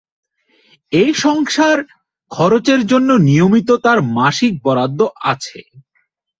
এ ছাড়া সংসার-খরচের জন্য নিয়মিত তাঁর মাসিক বরাদ্দ আছে।